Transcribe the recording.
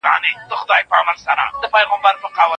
د کورنۍ د انګیزو او تعاملاتو پوهیدل مهم دي.